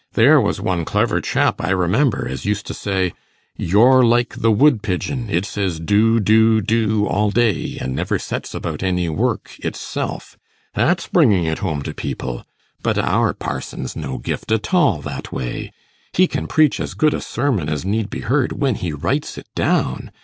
There was one clever chap, I remember, as used to say, "You're like the woodpigeon; it says do, do, do all day, and never sets about any work itself." That's bringing it home to people. But our parson's no gift at all that way; he can preach as good a sermon as need be heard when he writes it down.